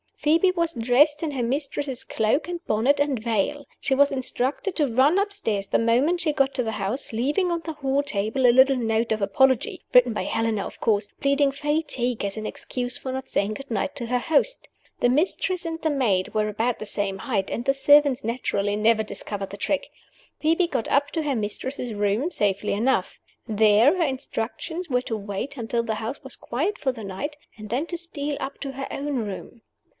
Phoebe was dressed in her mistress's cloak and bonnet and veil. She was instructed to run upstairs the moment she got to the house, leaving on the hall table a little note of apology (written by Helena, of course!), pleading fatigue as an excuse for not saying good night to her host. The mistress and the maid were about the same height; and the servants naturally never discovered the trick. Phoebe got up to her mistress's room safely enough. There, her instructions were to wait until the house was quiet for the night, and then to steal up to her own room.